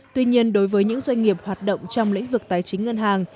tuy nhiên đối với những doanh nghiệp hoạt động trong lĩnh vực tài chính ngân hàng